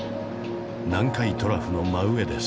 南海トラフの真上です。